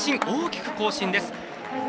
大きく更新です！